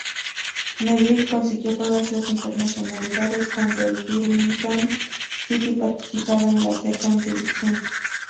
Merrick consiguió todas las internacionalidades cuando el Birmingham City participaba en la "Second Division".